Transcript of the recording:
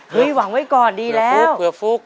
เฮ้ยหวังไว้ก่อนดีแล้วเผื่อฟุกเผื่อฟุก